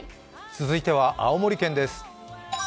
続いては青森県です。